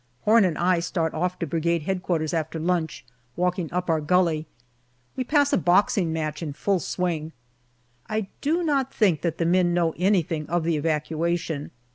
Horn and I start off to Brigade H.Q. after lunch, walking up our gully. We pass a boxing match in full swing. I do not think that the men know anything of the evacuation.